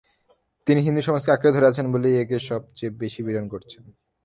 তিনি হিন্দুসমাজকে আঁকড়ে ধরে আছেন বলেই একে সব চেয়ে বেশি পীড়ন করছেন।